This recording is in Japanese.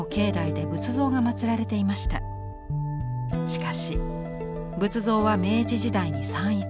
しかし仏像は明治時代に散逸。